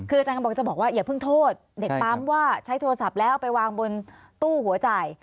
คืออาจารย์บอกจะบอกว่าอย่าเพิ่งโทษเด็กปั๊มว่าใช้โทรศัพท์แล้วไปวางบนตู้หัวจ่าย